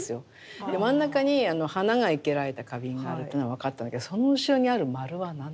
真ん中に花が生けられた花瓶があるというのは分かったんだけどその後ろにあるまるは何だ？